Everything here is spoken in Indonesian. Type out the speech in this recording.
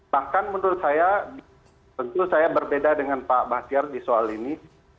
bahkan menurut saya tentu saya berbeda dengan pak basyar di soal ini